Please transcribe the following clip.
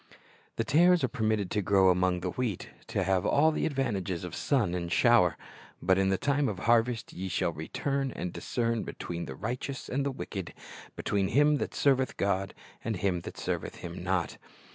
The tares are permitted to grow among the wheat, to have all the advantage of sun and shower; but in the time of harvest ye shall "return, and discern between the right eous and the wicked, between him that serveth God and him that serveth Him not."'